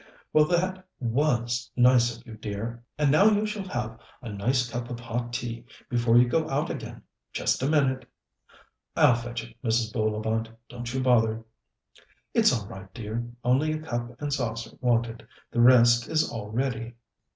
"Well, that was nice of you, dear, and now you shall have a nice cup of hot tea before you go out again. Just a minute." "I'll fetch it, Mrs. Bullivant. Don't you bother." "It's all right, dear, only a cup and saucer wanted; the rest is all ready."